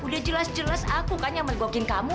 udah jelas jelas aku kan yang mendogging kamu